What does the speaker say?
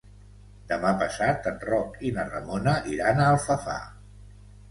Demà passat en Roc i na Ramona iran a Alfafar.